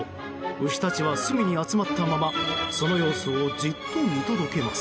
牛たちは隅に集まったままその様子をじっと見届けます。